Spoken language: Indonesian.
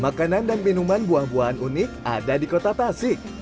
makanan dan minuman buah buahan unik ada di kota tasik